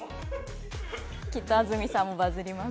きっと安住さんもバズります。